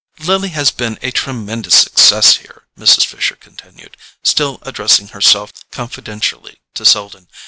"Lily has been a tremendous success here," Mrs. Fisher continued, still addressing herself confidentially to Selden.